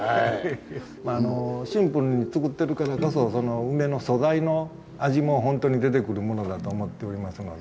シンプルに造ってるからこそ梅の素材の味もホントに出てくるものだと思っておりますので。